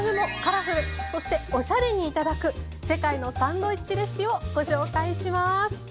そしておしゃれにいただく世界のサンドイッチレシピをご紹介します。